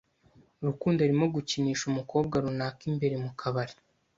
Rukundo arimo gukinisha umukobwa runaka imbere mu kabari.